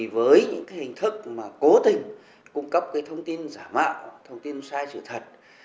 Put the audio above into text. với những hình thức cố tình cung cấp thông tin giả mạo thông tin sai sự thật